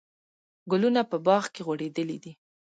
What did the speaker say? ګلونه په باغ کې غوړېدلي دي.